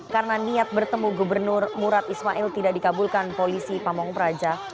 karena niat bertemu gubernur murad ismail tidak dikabulkan polisi pamong praja